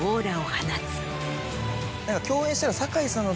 共演したら。